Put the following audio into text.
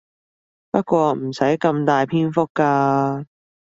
不過唔使咁大篇幅㗎